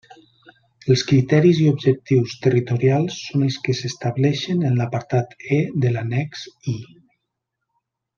Els criteris i objectius territorials són els que s'estableixen en l'apartat E de l'annex I.